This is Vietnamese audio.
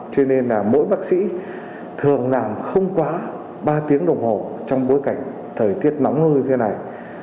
cho nên là mỗi bác sĩ thường làm không quá ba tiếng đồng hồ trong bối cảnh thời tiết nóng hơn thế này